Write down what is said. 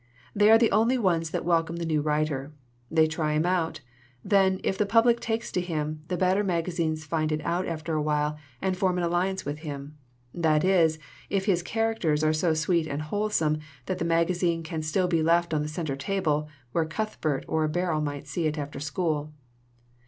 They are the only ones that welcome the new writer. They try him out. Then, if the public takes to him, the better magazines find it out after a while and form an alliance with him that is, if his char acters are so sweet and wholesome that the maga zine can still be left on the center table where Cuthbert or Berryl might see it after school.